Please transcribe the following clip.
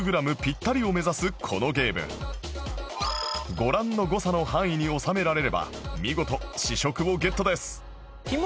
ご覧の誤差の範囲に収められれば見事試食をゲットです